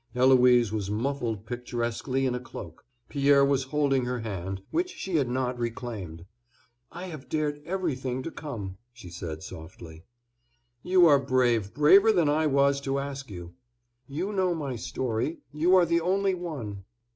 Eloise was muffled picturesquely in a cloak. Pierre was holding her hand, which she had not reclaimed. "I have dared everything to come," she said softly. "You are brave, braver than I was to ask you." "You know my story. You are the only one."